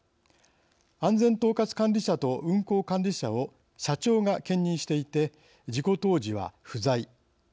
安全統括管理者と運航管理者を社長が兼任していて事故当時は不在。